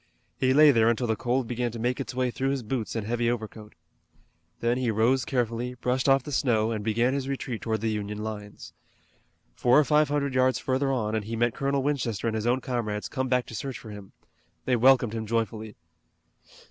He lay there until the cold began to make its way through his boots and heavy overcoat. Then he rose carefully, brushed off the snow, and began his retreat toward the Union lines. Four or five hundred yards further on and he met Colonel Winchester and his own comrades come back to search for him. They welcomed him joyfully.